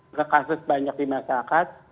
karena kasus banyak di masyarakat